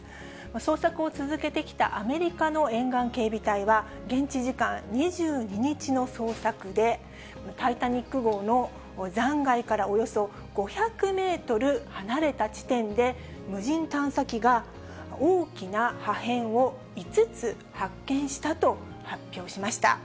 捜索を続けてきたアメリカの沿岸警備隊は、現地時間２２日の捜索で、タイタニック号の残骸からおよそ５００メートル離れた地点で、無人探査機が大きな破片を５つ発見したと発表しました。